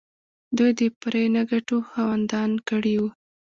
دوی د پرې نه ګټو خاوندان کړي وو.